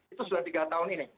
itu sudah tiga tahun ini